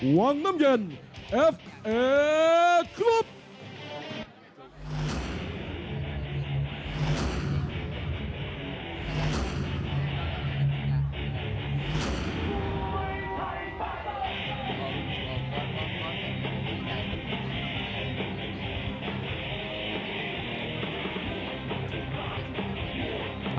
ทั้งคู่มีดีกี่แชมป์ติดตัวมาทั้งคู่มีดีกี่เกียรติดต่อไปครับ